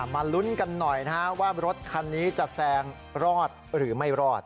มาลุ้นกันหน่อยว่ารถคันนี้จะแซงรอดหรือไม่รอด